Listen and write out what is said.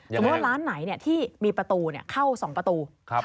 สมมุติว่าร้านไหนที่มีประตูเข้า๒ประตู